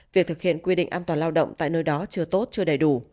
việc thực hiện quy định an toàn lao động tại nơi đó chưa tốt chưa đầy đủ